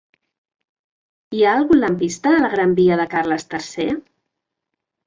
Hi ha algun lampista a la gran via de Carles III?